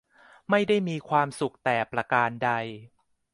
ไม่ได้มีความสุขแต่ประการใด